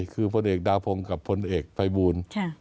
คือพลเอกดาวพงศ์กับพลเอกไฟบูรณ์